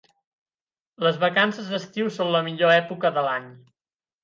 Les vacances d'estiu són la millor època de l'any!